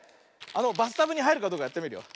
あのバスタブにはいるかどうかやってみるよ。